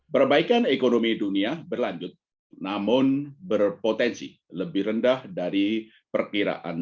perbaikan ekonomi dunia berlanjut namun berpotensi lebih rendah dari perkiraan